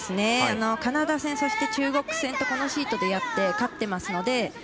カナダ戦、そして中国戦とこのシートでやって勝っていますので。